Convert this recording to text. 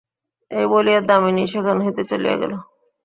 এই বলিয়া দামিনী সেখান হইতে চলিয়া গেল।